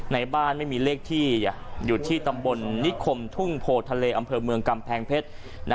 ในบ้านไม่มีเลขที่อยู่ที่ตำบลนิคมทุ่งโพทะเลอำเภอเมืองกำแพงเพชร